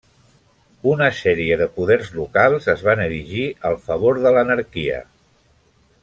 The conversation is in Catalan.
Una sèrie de poders locals es van erigir al favor de l'anarquia.